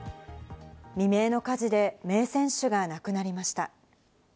未明の火事で名選手が亡くなりました。